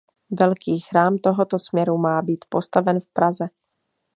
Velký chrám tohoto směru má být postaven v Praze.